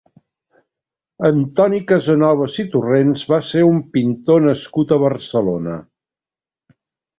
Antoni Casanovas i Torrents va ser un pintor nascut a Barcelona.